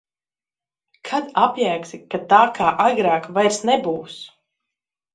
Kad apjēgsi, ka tā kā agrāk vairs nebūs?